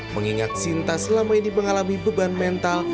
mengingat sinta selama ini mengalami beban mental